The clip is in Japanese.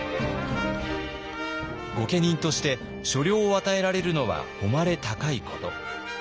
御家人として所領を与えられるのは誉れ高いこと。